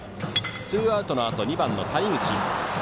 ツーアウトのあと２番の谷口。